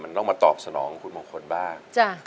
มันต้องมาตอบสนองคุณมงคลบ้าง